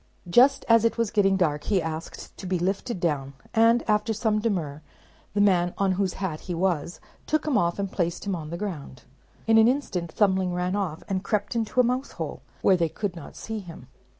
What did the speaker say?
Just as it was getting dark he asked to be lifted down; and, after some demur, the man on whose hat he was, took him off and placed him on the ground. In an instant Thumbling ran off, and crept into a mousehole, where they could not see him.